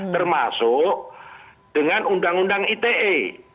termasuk dengan undang undang ite